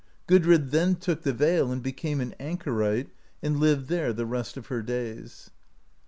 Gudrid then took the veil and became an anchorite, and lived there the rest of her days.